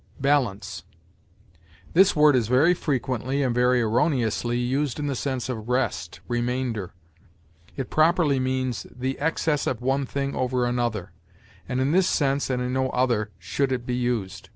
BALANCE. This word is very frequently and very erroneously used in the sense of rest, remainder. It properly means the excess of one thing over another, and in this sense and in no other should it be used.